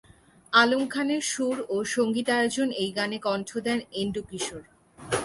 আলম খানের সুর ও সংগীত আয়োজনে এই গানে কণ্ঠ দেন এন্ড্রু কিশোর।